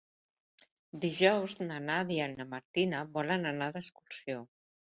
Dijous na Nàdia i na Martina volen anar d'excursió.